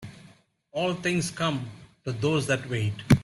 All things come to those that wait.